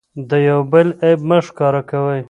د یو بل عیب مه ښکاره کوئ.